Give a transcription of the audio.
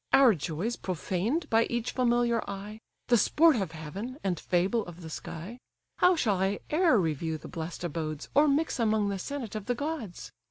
Our joys profaned by each familiar eye; The sport of heaven, and fable of the sky: How shall I e'er review the blest abodes, Or mix among the senate of the gods?